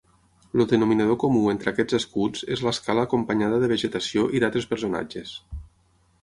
El denominador comú entre aquests escuts és l'escala acompanyada de vegetació i d'altres personatges.